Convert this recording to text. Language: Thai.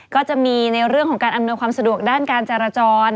ก็จะมีในเรื่องของการอำนวยความสะดวกด้านการจราจร